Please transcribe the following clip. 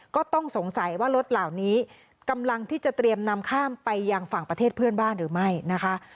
ก็ต้องสงสัยว่ารถเหล่านี้กำลังที่จะเตรียมนำข้ามไปยังฝั่งประเทศเพื่อนบ้านหรือไม่นะคะ